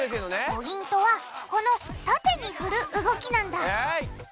ポイントはこの縦に振る動きなんだ。